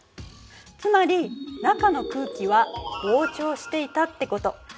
つまり中の空気は膨張していたってこと。